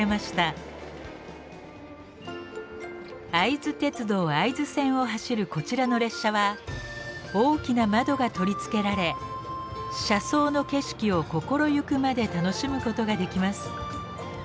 会津鉄道会津線を走るこちらの列車は大きな窓が取り付けられ車窓の景色を心ゆくまで楽しむことができます。